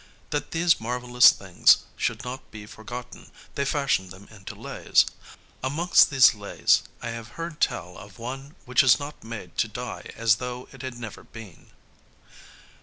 That these marvellous things should not be forgotten they fashioned them into Lays. Amongst these Lays I have heard tell of one which is not made to die as though it had never been.